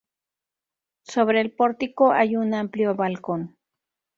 Sobre el pórtico hay un amplio balcón.